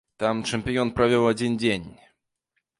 Там чэмпіён правёў адзін дзень.